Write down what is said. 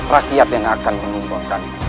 rakyat yang akan menunggunkanmu